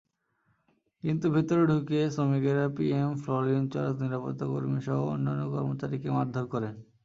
কিন্তু ভেতরে ঢুকে শ্রমিকেরা পিএম, ফ্লোর ইনচার্জ, নিরাপত্তাকর্মীসহ অন্যান্য কর্মচারীকে মারধর করেন।